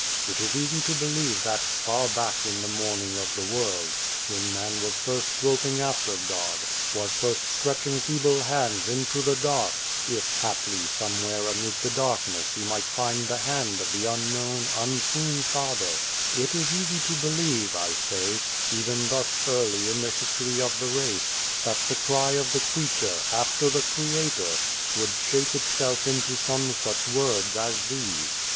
It is easy to believe that, far back in the morning of the world, when man was first groping after God, was first stretching feeble hands into the 128 The Face Beyond the Door dark, if haply somewhere amid the darkness he might find the hand of the unknown, unseen Father it is easy to believe, I say, even thus early in the history of the race, that the cry of the creature, after the Creator, would shape itself into some such words as these.